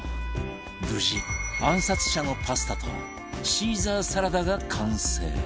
無事暗殺者のパスタとシーザーサラダが完成